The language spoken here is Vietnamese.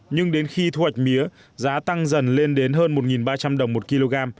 nhưng đến khi thu hoạch mía giá tăng dần lên đến hơn một ba trăm linh đồng một kg